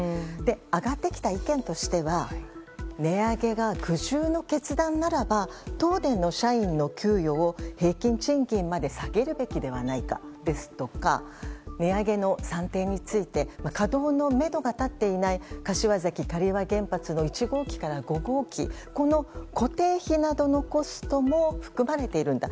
挙がってきた意見としては値上げが苦渋の決断ならば東電の社員の給与を平均賃金まで下げるべきではないかですとか値上げの算定について稼働のめどが立っていない柏崎刈羽原発の１号機から５号機この固定費などのコストも含まれているんだ。